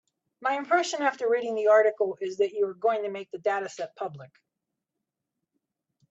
My impression after reading the article is that you are going to make the dataset public.